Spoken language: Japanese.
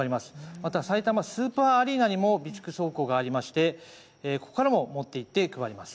またさいたまスーパーアリーナにも備蓄倉庫がありましてここからも持って行って配ります。